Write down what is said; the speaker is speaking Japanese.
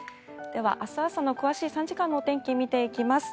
では、明日朝の詳しい３時間の天気を見ていきます。